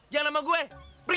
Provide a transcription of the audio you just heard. jangan sama gue pergi